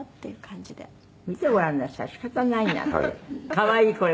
可愛いこれ。